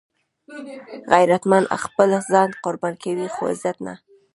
غیرتمند خپل ځان قرباني کوي خو عزت نه